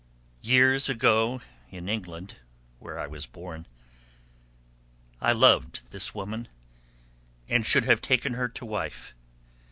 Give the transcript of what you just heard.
Years ago in England where I was born I loved this woman and should have taken her to wife.